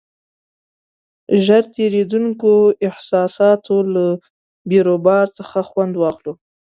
ژر تېرېدونکو احساساتو له بیروبار څخه خوند واخلو.